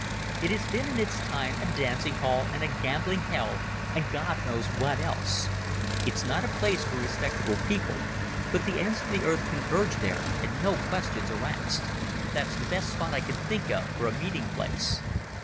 It has been in its time a dancing hall and a gambling hell and God knows what else. It's not a place for respectable people, but the ends of the earth converge there and no questions are asked. That's the best spot I can think of for a meeting place."